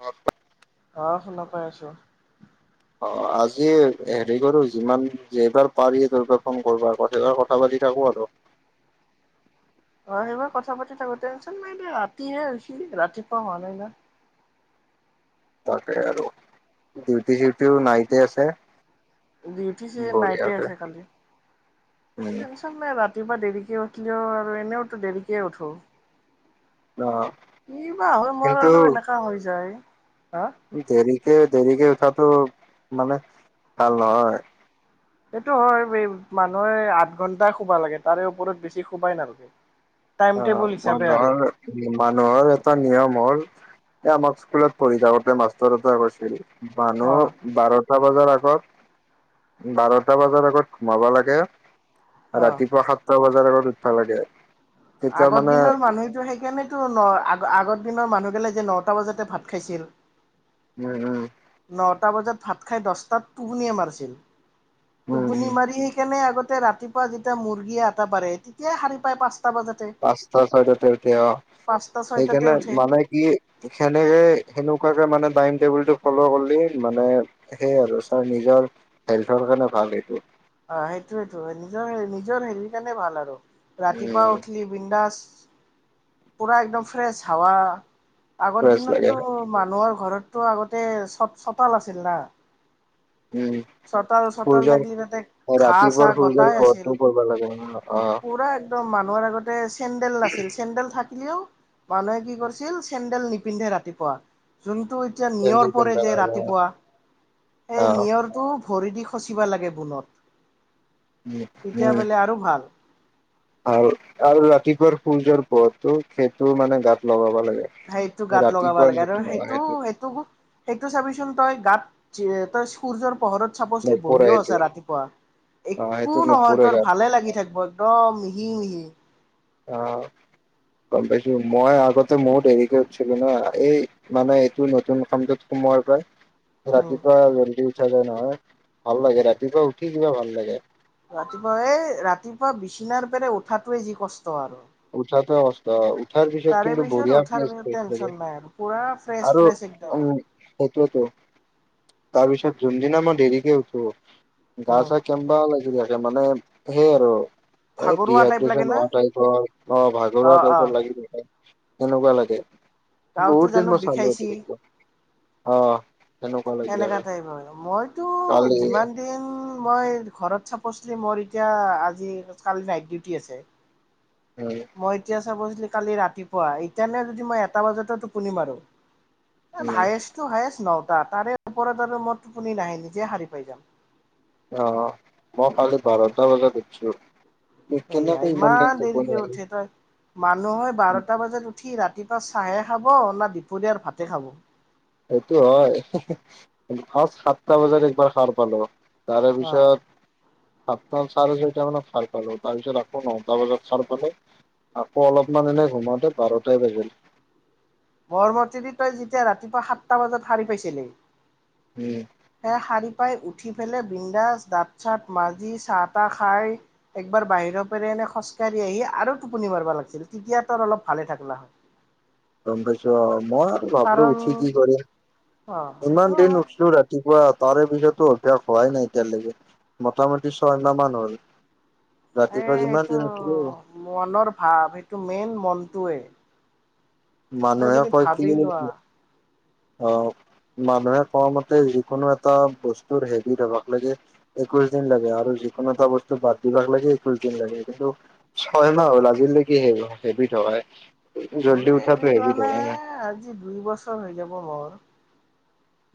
অ অহ শুনা পাই আছোঁ। অ আজি হেৰি কৰোঁ যিমান যে এইবাৰ পাৰি তেইবাৰ ফোন কৰিবা কবাৰ কথা পাতি থাকোঁ আৰু অ সেইবাৰ কথা পাতি থাকো টেনচন নাই দে ৰাতিহে ৰাতিপুৱা হোৱা নাই না। তাকে আৰু ডিউটি চিউটিও নাইতে আছে। দি উঠিছে নাইট বঢ়িয়াকে আছে কালি উম টেনচন নাই ৰাতিপুৱা। দেৰিকে উঠিলেও আৰু এনেওতো দেৰিকে উঠো। অ কি বাহ মোৰ আৰু এনেকা হৈ যায় হা। ই, দেৰি দেৰিকে উঠাতটো মানে ভাল নহয়। এইটো হয়, এই মানুহে আঠ ঘন্টাই শোবা লাগে তাৰে ওপৰত বেছি শোবাই নালাগে। টাইম টেবুল অ' হিচাপে আৰু মানুহৰ-মানুহৰ এটা নিয়ম হ'ল, এ আমাক স্কুলত পঢ়ি থাকোঁতে মাষ্টৰ এটাই কৈ। মানুহ, অ', বাৰত দচটা বজাৰ আগত বাৰটা বজাৰ আগত ঘোমাবা লাগে। অ'। ৰাতিপুৱা সাতটা বাজাত উত ভা লাগেই। আগৰ দিনৰ মানুহ সেইকাৰণেতো ন আগ আগত দিনৰ মানুহ গ'লে যে নটা বজাতে ভাত খাইছিল। উম উম নটা বজাত ভাত খাই দহটাত টোপোনিয়েই মাৰিছিল। উম উম টোপনি মাৰি, সেই কেনোই আগতে তে ৰাতিপুৱা যেতিয়া মুৰ্গীয়ে আতা পাৰেই তেতিয়াই শাৰি পায়, পাঁচ পচতা চইটা এতিয়া পাঁচটা ছয়টাতে সেইকাৰণে উঠে মানে কি সেনেকে, সেনো এনেকুৱাকে মানে টাইম টেবুলটো ফ'ল' কৰিলে, মানে সেয় আৰু ছ নিজৰ হেল্থৰ কাৰণে ভাল সেইটো। অ' সেইটোয়েইটো নিজৰ-নিজৰ হেৰিৰ কাৰণে ভাল আৰু। ৰাতি পুৱা উম উঠলি বিন্দাছ, পোৰা একদম ফ্ৰেছ হাৱা আগৰ ফ্ৰেছ লাগে দিনততো মানুহৰ ঘৰত টো আগতে, চ চতাল আছিল না। উম, চোতাল চোতাল সূৰ্য্য থাকি তাতে ঘাঁহ চাহ ৰাতিপুৱাৰ সূৰ্য্য গটাই আছিল। পোহৰটো পৰবা লাগেই। পুৰা একদম মানুহৰ আগত ইনেই আছো। চেণ্ডেল নাছিল, চেণ্ডেল থাক মানুহে কি কৰিছিল চেন্দেল নিপিন্ধে ৰাতিপুৱা, যোন যোনটো এতিয়া পেঞ্চিল নিয়ৰ পৰে পিন্ধবা যে, লাগে ৰাতিপুৱা অ সেই নিয়ৰ টো ভৰি দি খচিবা লাগে বুণত। তেতিয়া বোলে আৰু ভাল। আৰু-আৰু ৰাতিপুৱাৰ সূৰ্য্য পৰহটো সেইটো মানে গাত লগাব লাগে। সেইটো গাত লগাব ৰাতিপুৱাৰ লাগে আৰু যিটো সেইটো সেইটো-সেইটো চাবিচোন, তই গাত ত সূৰ্য্য পৰহত চাবচি নপৰে বহিও সেইটো আছে ৰাতিপুৱা অ একো সেইটো নহয় নপৰে তোৰ গাত ভালে লাগি থাকিব একদম মিহি-মিহি। আঁ গম পাইছো মই আগতে মই দেৰিকে উঠিছিলো না এই মানে এইটো নতুন কামটোত সোমোৱাৰ পৰা। উম ৰাতিপুৱাই যলদি। কিয়নো নহয় ভাল লাগে ৰাতিপুৱা উঠি কিবা ভাল লাগে ৰাতিপুৱা এই ৰাতিপুৱা বিচনাৰ পৰা উঠাতোৱে যি কষ্ট আৰু উঠাটো কষ্ট উঠাৰ পিছত তাৰে কিন্তু পিছত উঠাৰ পিছত বঢ়িয়া টেনচন [unintelligible] নাই আৰু পুৰা ফ্ৰেছ আৰু ফ্ৰেছ একদম উম সেইটোৱেতো তাৰপিছত যোনদিনা মই দেৰিকে উঠো অ, গা ছা কেম্বা লাগি যায় এ মানে সেই আৰু এই ভাগৰুৱা টাইপ দুহাত লাগে না [unintelligible] অঁ অ ভাগৰুৱা অ টাইপৰ লাগিব পাৰে সেনেকোৱা লাগে গাওতো বহুত জানো দিন মই [unintelligible] চাম বিষাইছি গৈছো অঁ সনেকা টাইপ হয় মইতো কালি যিমান দিন মই ঘৰত চ মোৰ এতিয়া আজি নাইট ডিউটি আছে উম মই এতিয়া চাব কালি ৰাতিপুৱা এতিয়ানে যদি মই এটা বজাত টোপনি মাৰু উম হায়ষ্ট টু হায়ষ্ট ন তাৰে ওপৰত আৰু মই টোপনি নাহে নিজে হাৰি পাই যাম অঁ মই কালি বাৰটা বজাত উঠিছো এয়া ইমান দেৰিকে উঠে তই মানুহ হয় বাৰটা বজাত উঠি ৰাতি ৰাতিপুৱাই চাহে খাব না দুপৰীয়াৰ ভাতে খাব সেইটো হয় সাতটা বজাত একবাৰ সাৰ পালো তাৰে অ পিছত সাতটা চাৰে ছয়টা মানত সাৰ পালো তাৰ পিছত আকৌ নটা বজাত চাৰ পালো আকৌ অলপমান এনে ঘোমাতে বাৰটাই বাজিল মৰমতেদি তই যেতিয়া ৰাতিপুৱা সাতটা বজাত সাৰি পাইছিলি উম সেয়া শাৰী পাই উঠি পেলাই বিন্দাচ দাঁত চাত মাজি চাহ তাহ খাই একবাৰ বাহিৰৰ পৰা এনে খোজকাঢ়ি আহি আৰু টোপনি মাৰিবা লাগিছিল তেতিয়া তোৰ অলপ ভালে থাকলা হয় গম পাইছো অঁ মই আৰু ভাবিলো কাৰণ উঠি কি কৰিম অ ইমান সেইটো দিন হয় উঠিলো ৰাতিপুৱা তাৰে পিছতো অভ্যাস হোৱাই নাই এতিয়ালৈকে মোটামুটি ছয় মাহ মান হ'ল এ ৰাতিপুৱা কিমান এইটো দিন উঠিলো মনৰ ভাৱ সেইটো মেইন মনটোৱে তই মানুহে যদি কই ভাবি লোৱা অঁ মানুহে কোৱা মতে যিকোনো এটা বস্তুৰ হেভি থ হবাক লাগে একৈশ দিন লাগে আৰু যিকোনো এটা বস্তু বাদ দিবাক লাগে একৈশ দিন লাগে কিন্তু ছয় মাহ হল আজিলৈকে হেভি থ হয় মোৰো হেভি থ হোৱা নাই আজি দুই বছৰ হ'ল। হয় [unintelligible]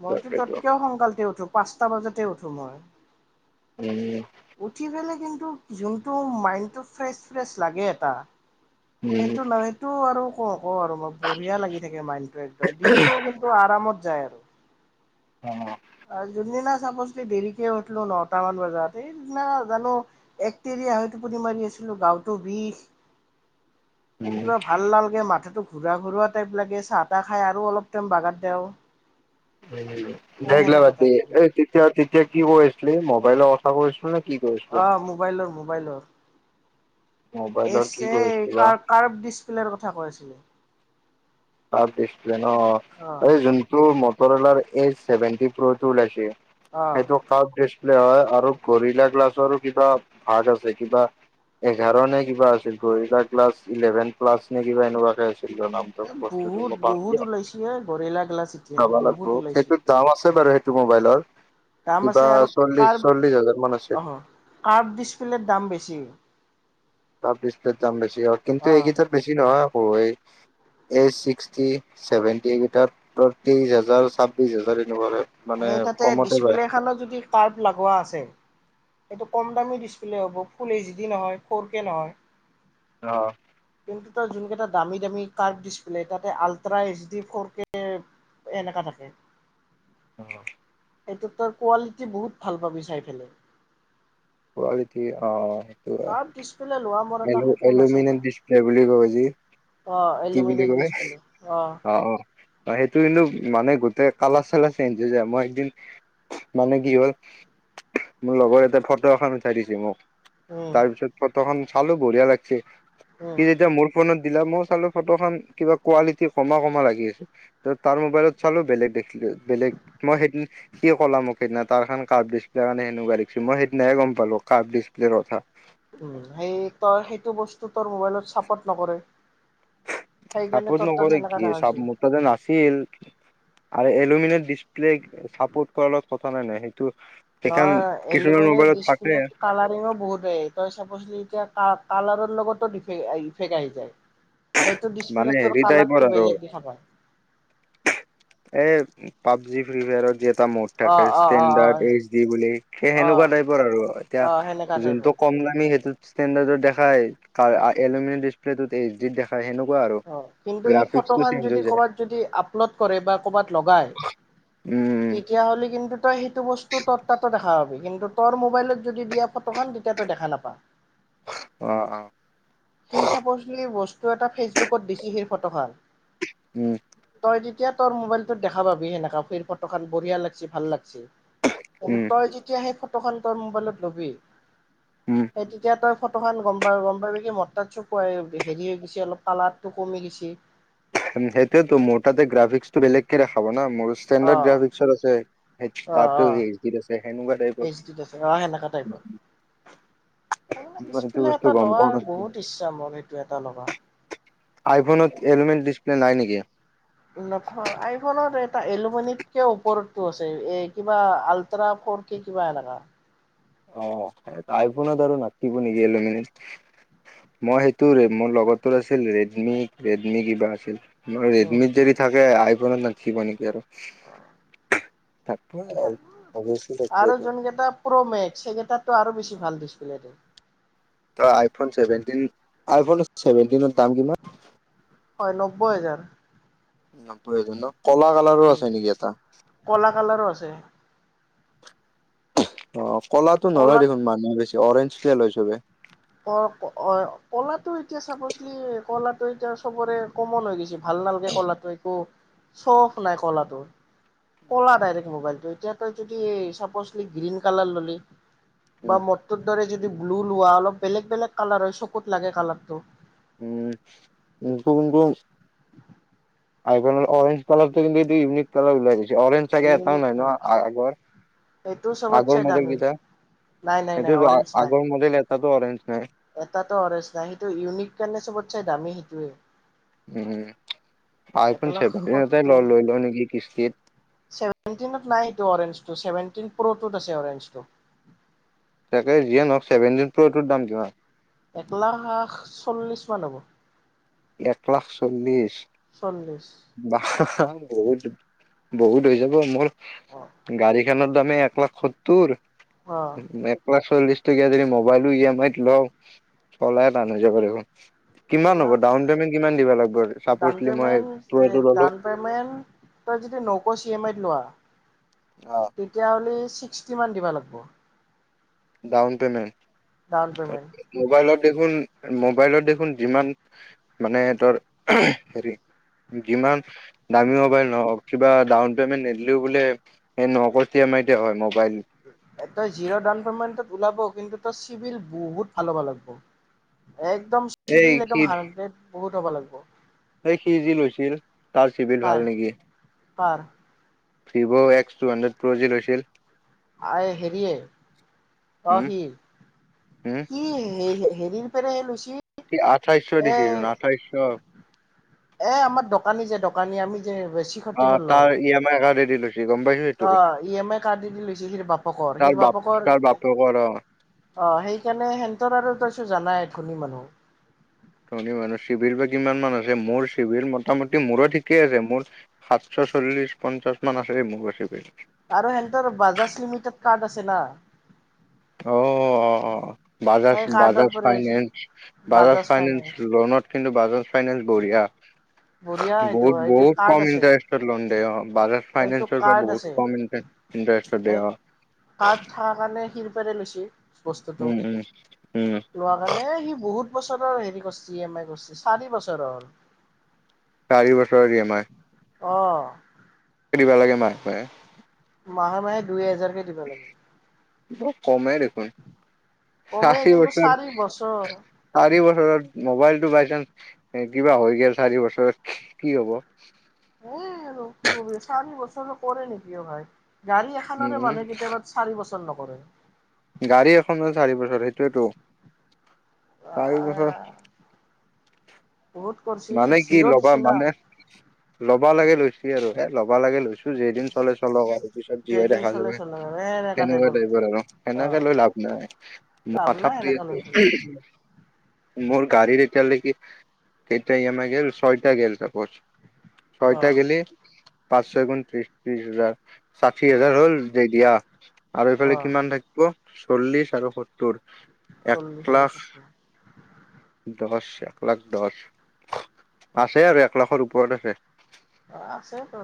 মইতো তাকেটো ততকেও সোনকালে উঠো পাঁচ টা বজাতে উঠো মই। উম, উঠি পেলে কিন্তু যোনটো মাইণ্ডত ফ্ৰেচ নেছ লাগে এটা। উম, সেইটো নাই সেইটো আৰু ক আৰু মই বঢ়িয়া লাগি থাকে মাইণ্ডতটো একদম দিনটোও কিন্তু আৰামত যায় আৰু। উম, আ যোন দিনা চাপছ দেৰিকে উঠলো নটা মান বজাত এইদিনা জানো এক তেৰিয়া হয় টোপুনি মাৰি আছিলো গাঁতো বিষ। উম। কিবা ভাল নালগে মাথটো ঘূৰা-ঘৰুৱা টাইপ লাগে চাহ-তাহ খাই আৰু অলপ টাইম বাগাত দিওঁ। বেগ লবতি লাগে। তেতিয়া তেত এতিয়া কি কৰি আছিলি, মোবাইল অচা কৰিছিলো নে? কি কৈ আছিলি? অ মোবাইলৰ-মোবাইলৰ। মোবাইলৰ কি কৈ এই আছিলি বা কাৰ কাৰ্ব ডিছপ্লেৰ কথা কৈ আছিলে। কাৰ্ভ দিছ অই, অ। এই যোনটো মতৰৱলা এ চেভেন্তি প্ৰ টো ওলাইছে, অ সেইটো কাৰ্ব হয় আৰু গৰিলা গ্লাছৰ কিবা ভাগ আছে কিবা এঘাৰ নে কিবা আছিল গৰিলা গ্লাছৰ ইলেভেন প্লাছ নে কিবা সেনেকুৱাকে আছিল। [unintelligible] নামটো বস্তুটো মই বহুত-বহুত পাহৰিলোঁ ওলাইছে এ গৰেলা গিলাচ এতিয়া বহুত ওলাইছে। ছে বাৰু সেইটো মোবাইলৰ। দাম কিবা আছে আৰু চল্লিশ কাৰ্ব, চল্লিশ হাজাৰ মান আছিল অ, কাৰ্ব ডিচপ্লেৰ দাম বেছি। ডিচপ্লে দাম বেছি। কিন্তু অ এইকেইটাৰ বেছি নহয়। এই ছিক্সটি, চেভেন্টি এই কেইটাত ত্ৰিশ হাজাৰ ছাব্বিশ হাজাৰ এনেকুৱা হয়। সেই তাতে ডিচপ্লে খত যদি কাৰ্প লগোৱা আছে। এইটো কম দামী ডিচপ্লে হ'ব, ফুল এইচ ডি নহয় ফ'ৰ কে নহয়। অহ যোন কেই দামী দাম কাৰ ডিচপ্লে তাতে ultra H D four K এনেকা থাকে। অহ এইটো তই কোৱালিটি বহুত ভাল পাবি চাই পেলাই। কোৱালিটি অহ। আম পিছ পিলে ল এলু- এলুমিনিয়াম ডিছপ্লে বুলি কবি যি, অ কি বুলি এলুমিনেট কম এ? ডিচপ্লে অ' - অ'। অ' সেইটোৱে ল মানে গোটেই কালাৰ-চালাৰ চেঞ্জ হৈ যায়। মই এদিন, মানে কি হ'ল, মোৰ লগৰ এটা ফটো এখন উঠাই দিছি মোক। উম তাৰপিছত ফটোখন পালোঁ। বঢ়িয়া লাগছে। উম সি যেতিয়া মোৰ ফোনত দিলাত মই চালোঁ ফটোখন, কিবা কোৱালিটি কমা-কমা লাগি আছে। তো তাৰ মোবাইলত চালোঁ বেলেগ দেখিলোঁ- বেলেগ। মই সেইদিনা- সি ক'লাক মোক সেইদিনা। তাৰ কাৰ্ব ডিছপ্লেৰ কাৰণে সেনেকুৱা দেখছি। মই সেইদিনাহে গম পালোঁ কাৰ্ব ডিছপ্লেৰ কথা। উম, সেই তই- সেইটো বস্তু তোৰ মোবাইলত ছাপৰ্ট নকৰে। সেইকাৰণে ছাপৰ্ত তোৰ তাত নকৰে সেনেকা কি? ছা- দেখাইছে মোৰ তাতে নাছিল। আৰু এলুমিনিয়াম ডিছপ্লে চাপৰ্ট কৰাৰ লগত কথা নাই, নয়। সেই নহয়, এলুমিনিয়াৰ থাকে ডিছপ্লে কালাৰিঙো বহুত দে। তই ছাপ'ছলি এতিয়া কা- কালাৰৰ লগতো ডিফেক্ট আহি- ইফেক্ট আহি যায়। সেইটো মানে ডিছপ্লেটোৰ হেৰি টাইপৰ কালাৰটো আৰু বেলেগ দেখা পায়। এই পাবজি, ফ্ৰী ফায়াৰত দিয়া এটা মোড অ থাকে অ অ ষ্টেণ্ডাৰ্ড এইচ অ ডি বুলি। সেই অ সেনেকুৱা টাইপৰ আৰু। এতিয়া অ সেনেকা যোনটো টাইপৰ কম দামী, সেইটো ষ্টেণ্ডাৰ্ডৰত দেখায়। কা- এলুমিনিয়াম ডিছপ্লেটোত এইচ ডিত দে অ'। কিন্তু সি ফটোখন চেঞ্জ হৈ যদি যায় কৰ'বাত যদি আপলোড কৰে বা ক'বাত লগায়, উম উম তেতিয়া হ'লে কিন্তু তো সেই টো বস্তু তোৰ তাটো দেখা হয়। কিন্তু তোৰ মোবাইলত যদি দিয়া ফটোখন, তেতিয়া তই দেখা নাপা। অ অ সি ছাপ'ছলি বস্ তই এটা ফেচ বুকত দিছি সেই ফটোখন। উম তই দি এতিয়া তোৰ মোবাইলটোত দেখা পাবি সেনেকা। ফিৰ ফটোখন বঢ়িয়া লাগছে। ভাল লাগছে। এনে উম তই যেতিয়া সেই ফ টোখন তই মোবাইলত লবি, উম সেই তেতিয়া তই ফ ফটোখন গম পা- গম পাব কি, মোৰ তাত ছেভ কৰাই লবি। হেৰি হৈ গৈছে অলপ কালাৰটো কমি গেছি। সেইটোৱেতো। মোৰ তাতে গ্ৰাফিক্সটো বেলেগকে দেখাব না। মোৰ অ ষ্টেণ্ডাৰড গ্ৰফিক্সত আছে। সেই অ তাৰতো অ এইচ ডি আছে, সেনেকুৱা এইচ ডিত আছে অ সেনেকা টাইপৰ। টাইপত। তাৰমানে ইমানটো ডিচপ্লে বস্তু এটা গম লোৱাৰ পোৱা। বহুত ইচ্ছা মোৰ সেইটো এটা ল'বা। [inaudible] আইফোনত এলুমিন ডিছপ্লে নাই নেকি? আইফোনত এটা এলুমিনতকে ওপৰতটো আছে এ কিবা আলট্ৰা ফৰ কি কিবা এনেুৱা অ আইফোনত আৰু নাথাকিব নেকি মই সেইটো মোৰ লগতো আছিল ৰেডমি ৰেডমি কিবা আছিল উম ৰেডমিত যদি থাকে আই আই ফোনত নাথাকিব নেকি আৰু [inaudible] থাকে অৱশ্যে সেই কেইটাতটো আৰু বছি ভাল ডিছপ্লেটো আইফোন চছেভেনটিন আইফোন চছেভেনটি দাম কিমান? হয় নব্বৈ হেজাৰ নব্বৈ হাজাৰ ন কলা কালাৰো উম। আছে নেকি এটা কলা কালাৰো আছে অ কলাটো নলয় কলাত দেখোন মানুহ বেছি অৰেঞ্জ তোলে লৈছো মই অ অ কলাটো এতিয়া চাবছলি কলাটো এতিয়া চবৰে কমন হৈ গৈছে ভাল নালাগে কলাটো একো চফ নাই কলাটো কলা দাইৰেগ মোবাইলটো এতিয়া তই যদি চাপচলি গ্ৰীণ কালাৰ ললি বা মৰ [unintelligible] যদি ব্লু লোৱা অলপ বেলেগ বেলেগ কালাৰ হয় চকুত লাগে কালাৰটো উমক কিক [unintelligible] আ অৰেঞ্জ কালাৰৰটো কিন্তু এইটো ইউনিক কালাৰ উলাইছে অৰেঞ্জ চাগে এটাও ইউনিক নাই ন আগৰ সেইটো চবতচে আগৰ মডেল দামী কেইটা নাই নাই নাই সেইটো অৰেঞ্জ নাই আগৰ মডেল এটা অৰেঞ্চজ নে এটাতো অৰেঞ্জ নাই সেইটো ইউনিক কাৰণে চবত চাই দামী সেইটোৱে আই এক ফোন লাখ চেভেনটি এটা লৈ ল নেকি কিস্তিত চেভেনটিনত নাইটো অৰেঞ্জ চেভেনটিন প্ৰটোত আছে অৰেঞ্জ টো তাকে যিয়ে নহক চেভেনটি প্ৰটোৰ দাম কিমান? এক লাখ চল্লিশ মান হব এক লাখ চল্লিশ চল্লিছ বা বহুত বহুত হৈ যাব মোৰ অ গাড়ী সেইখনৰ দামে এক লাখ সত্তৰ অ এ পালাচ চল্লিশ টকীয়া যদি মোবাইলো ই এম আইত লওঁ পলাই এটা লৈ যাব লাগিব কিমান হ'ব চলাখ ডাউন পেমেণ্ট কিমান দিব লাগিব চাপও ডাউন চিলিমৰে। পেমেণ্ট ডাউন পেমেণ্ট তই যদি নক' চি এম আইত লোৱা। অ তেতিয়াহ'লে। চিকচটি মান দিব লাগিব। Down payment. ডাউন পেমেণ্ট মোবাইলত দেখোন। মোবাইলত দেখোন যিমান মানে ত হেৰি যিমান দামী মোবাইল নহওঁক কিবা ডাউন পেমেন্ট নিদিলেও বোলে নকতিয়া হয় ম এটা জিৰ' ডাউন পেমেণ্ট। ওলাব কিন্তু তাৰ চিভিল বহুত ভাল হ'ব লাগব। একদম এই চিভিল সি একদম হাড্ৰেড বহুত। কিৰব লাগব। এই সি যি লৈছিল তাৰ চিভিল কাৰ ভাল নেকি। কাৰ Vivo X two hundred pro G লৈছিল। আ হেৰিয়ে অ উম সি উম সি হেৰি। পিনেহে লৈছিল। সি আঠাইছশ দিছিল আঠাইছশ। কানি আমি। যে অ তাৰ ই এম আই কাৰ্ড। দি লৈছিল। অহ ই এম আই কাৰ্ড দি দি লৈছে হ বাপকৰ তাৰ হিৰ বাপ বাপকৰ। তাৰ বাপেকৰ অ অ সেইকাৰণে সেটৰ আৰু তাৰছ জানাই ধনী মানুহ। ধনী মানুহ চিভিৰ বা কিমান মান আছে মোৰ চিভিল মোটামুটি মোৰো ঠিকেই আছে মোৰ সাতশ চল্লিশ পঞ্চাশ মান আছে মোৰ চিভিল। আৰু সেনতৰ বাজাজ লিমিটেড কাৰ্ড আছে না। অ অ অ। বাজাজ সেই কাৰ্ডৰ বাজাজ পৰা লৈছো ফাইনেন্স বাজাজ ফাইনেন্স লোনত কিন্তু বাজাজ ফাইনেন্স বঢ়িয়া। বঢ়িয়া সেইটো বহুত এইটো বহুত কাৰ্ড কম আছে ইণ্টাৰেষ্টৰ লোন দে বাজাজ এইটো ফাইনেন্সৰ পৰা কাৰ্ড বহুত আছে কম ইণ্টাৰেষ্ট দিয়ে অ। এক বাৰে লৈছে। বস্তুটো উম উম উম লোৱা কাৰণে সি বহুত। এক বছৰৰ হেৰি কৰিছে ই এম আই কৰিছে চাৰি বছৰৰ। চাৰি বছৰৰ ই এমাই। অ দিব লাগে মাহে মাহে। মাহে মাহে দুই এজন। ধেই দিব লাগিব। [inaudible] কমেই দেখোন কমে চাৰি কিন্তু বছ চাৰি বছৰ চাৰি বছৰত মবাইল। টো বাই চান্স কিবা হৈ গল চাৰি বছৰত কি হব। এইয়াই আৰু কি কবি চাৰি বছৰ কৰে নেকি অ ভাই। গাড়ী এখনেৰে উম, মানে কেতিয়াবা চাৰি বছৰ। ন কৰে গাড়ী এখন চাৰি বছৰ সেইটোয়েতো। চাৰি বছৰ। বহুত কৰিছি মানে কি জিৰ' ল'বা দিছি না মানে ল'বা। লব লাগে লৈছি আৰু এ লব লাগে লৈছো যেইদিন চলে চলক আৰু। ত পিছত যি হয় যেইদিন দেখা যাব চলে চলে এ এনেকা সেনেকুৱা কথা টাইপৰ আৰু অ সেনেকে লৈ লাভ নাই লাভ মাথা নাই বেয়া। এনেকা লৈ পেলাই মোৰ গাড়ীৰ এতিয়াৰ লৈকে কেইটা ই এম আই গল ছয়টা গল চাপজ। অ ছয়টা গলে পাঁচ ছয় গুণ ত্ৰিশ। ত্ৰিশ হাজাৰ ষাঠি অ হাজাৰ হ'ল যে দিয়া। [unintelligible] [unintelligible] আৰু অ এইফালে কিমান থাকিব। চল্লিশ আৰু সত্তৰ। এক চল্লিছ আৰু লাখ স। দহ এক লাখ দহ আছে আৰু এক লাখৰ ওপৰত আছে। অ আছে ত।